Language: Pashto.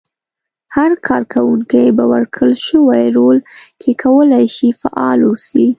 هر کار کوونکی په ورکړل شوي رول کې کولای شي فعال واوسي.